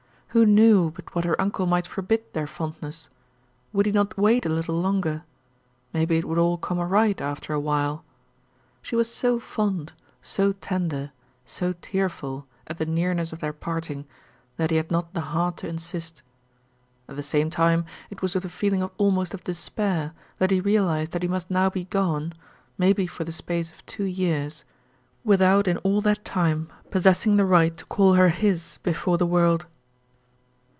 Who knew but what her uncle might forbid their fondness? Would he not wait a little longer? Maybe it would all come right after a while. She was so fond, so tender, so tearful at the nearness of their parting that he had not the heart to insist. At the same time it was with a feeling almost of despair that he realized that he must now be gone maybe for the space of two years without in all that time possessing the right to call her his before the world.